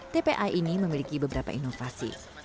tpa ini memiliki beberapa inovasi